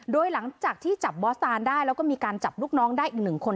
โดยหลังจากที่จับบอสตานได้แล้วก็มีการจับลูกน้องได้อีกหนึ่งคน